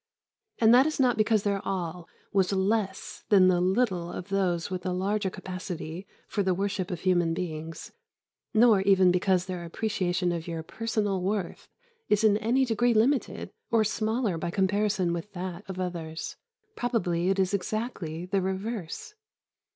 And that is not because their all was less than the little of those with a larger capacity for the worship of human beings, nor even because their appreciation of your personal worth is in any degree limited, or smaller by comparison with that of others. Probably it is exactly the reverse.